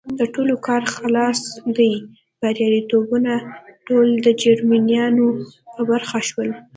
د ټولو کار خلاص دی، بریالیتوبونه ټول د جرمنیانو په برخه شول.